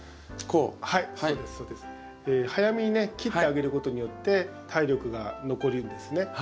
早めにね切ってあげることによって体力が残るんですね。